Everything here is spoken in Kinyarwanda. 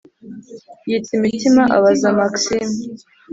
yitsa imitima abaza maxime